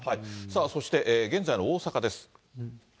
そして現在の大阪です。